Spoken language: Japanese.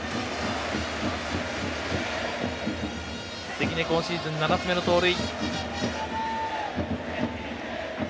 関根、今シーズン７つ目の盗塁。